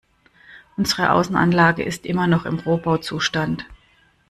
Unsere Außenanlage ist immer noch im Rohbauzustand.